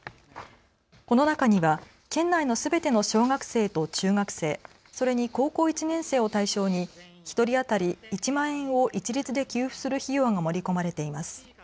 この中には県内のすべての小学生と中学生、それに高校１年生を対象に１人当たり１万円を一律で給付する費用が盛り込まれています。